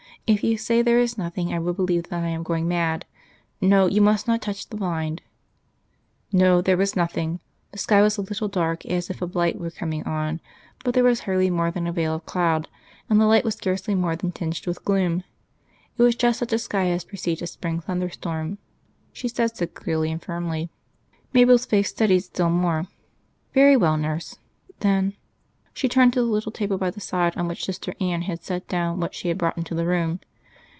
If you say there is nothing I will believe that I am going mad. No; you must not touch the blind." No; there was nothing. The sky was a little dark, as if a blight were coming on; but there was hardly more than a veil of cloud, and the light was scarcely more than tinged with gloom. It was just such a sky as precedes a spring thunderstorm. She said so, clearly and firmly. Mabel's face steadied still more. "Very well, nurse.... Then " She turned to the little table by the side on which Sister Anne had set down what she had brought into the room.